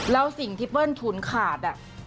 แล้วสิ่งที่เปิ้ลถูนขาด